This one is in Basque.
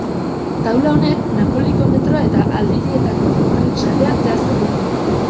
Taula honek Napoliko metroa eta aldirietako tren sarea zehazten ditu.